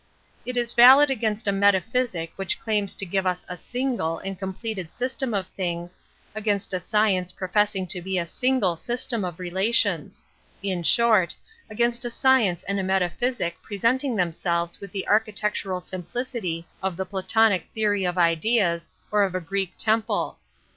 It is valid against a metaphysic which claims to give us a single and completed system of things, against a science profess ing to he a single system of relations; in short, against a science and a metaphysic presenting themselves with the architec tural simplicity of the Platonic theory of ideas op of a Greek temple.